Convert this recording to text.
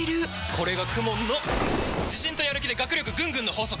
これがＫＵＭＯＮの自信とやる気で学力ぐんぐんの法則！